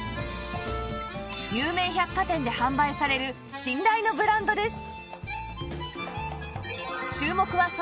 有名百貨店で販売される信頼のブランドです